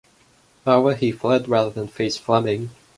However, he fled rather than face Fleming.